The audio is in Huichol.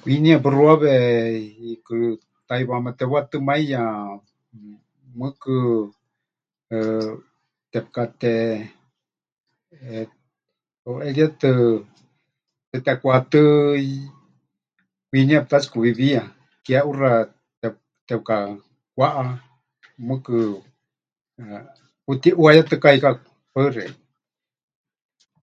Kwiniya puxuawe, hiikɨ taʼiwaáma tepɨwatɨmaiya, mɨɨkɨ, eh, tepɨkate..., eh, heuʼeríetɨ tetekwatɨ́ kwiniya pɨtatsikuwiwiya, keʼuxa tep... tepɨkakwaʼá, mɨɨkɨ, eh, pɨtiʼuayetɨkáikaku. Paɨ xeikɨ́a.